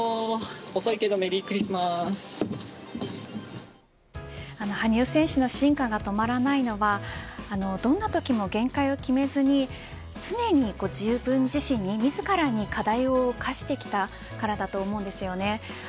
遅いけどメリークリスマス羽生選手の真価が止まらないのはどんなときも限界を決めずに常に自分自身に自らに課題を課してきたからだと思います。